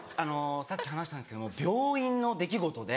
さっき話したんですけども病院の出来事で。